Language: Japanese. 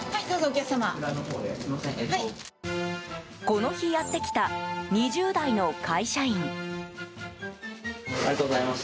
この日、やってきた２０代の会社員。